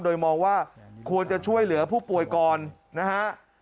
โดยมองว่าควรจะช่วยเหลือผู้ป่วยก่อนนะฮะ